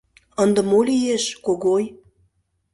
— Ынде мо лиеш, Когой?